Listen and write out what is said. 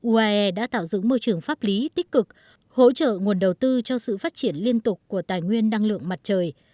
uae đã tạo dựng môi trường pháp lý tích cực hỗ trợ nguồn đầu tư cho sự phát triển liên tục của tài nguyên năng lượng mặt trời